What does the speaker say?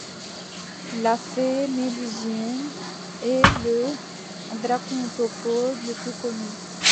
La fée Mélusine est le dracontopode le plus connu.